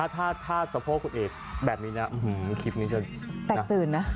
ถ้าสะโพกคุณเอ๋แบบนี้คลิปนี้จะมันก็แปลกตื่นนะ